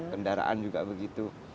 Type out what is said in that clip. kendaraan juga begitu